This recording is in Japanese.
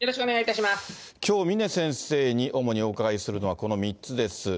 きょう、峰先生に主にお伺いするのはこの３つです。